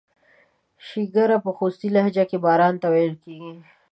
شیګیره په خوستی لهجه کې باران ته ویل کیږي.